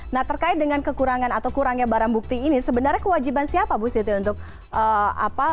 nah terkait dengan kekurangan atau kurangnya barang bukti ini sebenarnya kewajiban siapa bu siti untuk pencarian atau peniksaan barang bukti